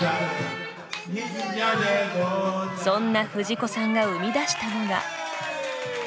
そんな藤子さんが生みだしたのが。